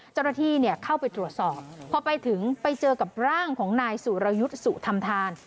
เจ้าหน้าที่เข้าไปตรวจสอบพอไปถึงไปเจอกับร่างของนายสุรยุทธ์สุธรรมธาน